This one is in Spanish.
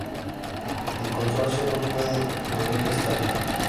El Consorcio no pudo reunir esta suma.